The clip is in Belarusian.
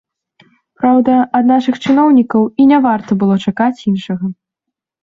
Праўда, ад нашых чыноўнікаў і не варта было чакаць іншага.